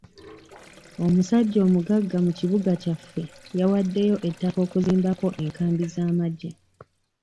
Omusajja omugagga mu kibuga kyaffe yawaddeyo ettaka okuzimba ko enkambi z'amagye.